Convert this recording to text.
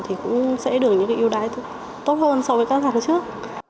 thì cũng sẽ được những cái ưu đại tốt hơn so với các giá trước